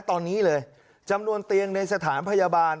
ตอนนี้เลยจำนวนเตียงในสถานพยาบาล